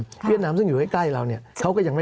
สำหรับกำลังการผลิตหน้ากากอนามัย